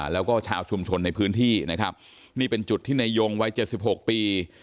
แล้วก็ชาวชุมชนในพื้นที่นะครับนี่เป็นจุดที่นายยงวัย๗๖ปี